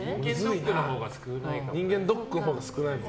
人間ドックのほうが少ないかも。